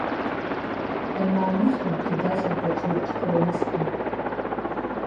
Йамагӏныхйа предательта тшуыртшхъварнысгьи.